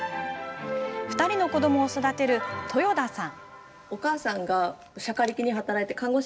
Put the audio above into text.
２人の子どもを育てる豊田さん。